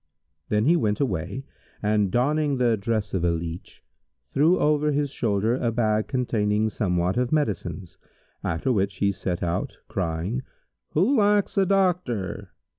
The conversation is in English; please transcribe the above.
Then he went away and, donning the dress of a leach, threw over his shoulder a bag containing somewhat of medicines, after which he set out, crying, 'Who lacks a doctor?'